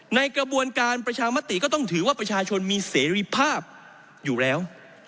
ในกระบวนการประชามติก็ต้องถือว่าประชาชนมีเสรีภาพอยู่แล้ว